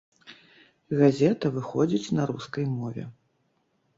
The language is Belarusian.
Газета выходзіць на рускай мове.